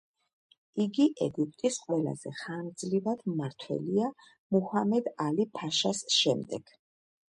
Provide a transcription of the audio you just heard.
იგი ეგვიპტის ყველაზე ხანგრძლივად მმართველია მუჰამედ ალი ფაშას შემდეგ.